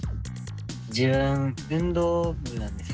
自分運動部なんですよ。